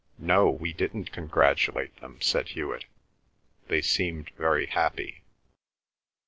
"No, we didn't congratulate them," said Hewet. "They seemed very happy."